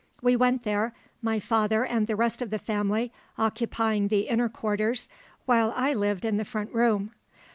We went there, my father and the rest of the family occupying the inner quarters, while I lived in the front room.